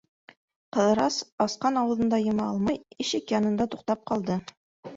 Ҡыҙырас, асҡан ауыҙын да йома алмай, ишек янында туҡтап ҡалды.